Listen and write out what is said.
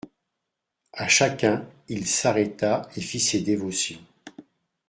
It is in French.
À chacun, il s'arrêta et fit ses dévotions.